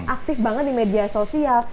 aktif banget di media sosial